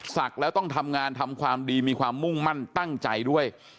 ศักดิ์แล้วต้องทำงานทำความดีมีความมุ่งมั่นตั้งใจด้วย